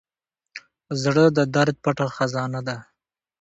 زړه د درد پټه خزانه ده.